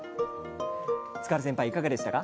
塚原先輩いかがでしたか？